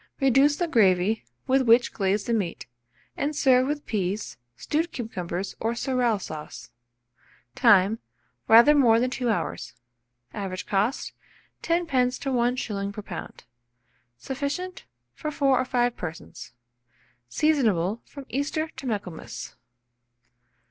Reduce the gravy, with which glaze the meat, and serve with peas, stewed cucumbers, or sorrel sauce. Time. Rather more than 2 hours. Average cost, 10d. to 1s. per lb. Sufficient for 4 or 5 persons. Seasonable from Easter to Michaelmas.